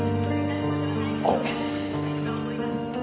あっ。